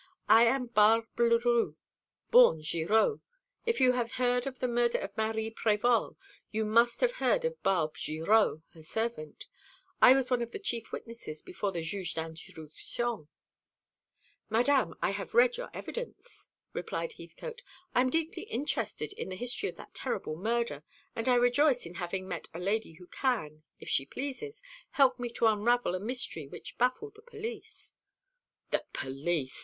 I am Barbe Leroux, born Girot. If you have heard of the murder of Marie Prévol, you must have heard of Barbe Girot, her servant. I was one of the chief witnesses before the Juge d'Instruction." "Madame, I have read your evidence," replied Heathcote. "I am deeply interested in the history of that terrible murder, and I rejoice in having met a lady who can, if she pleases, help me to unravel a mystery which baffled the police." "The police!"